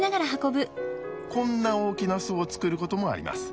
こんな大きな巣を作ることもあります。